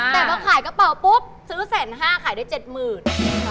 แต่พอขายกระเป๋าปุ๊บซื้อ๑๕๐๐ขายได้๗๐๐บาท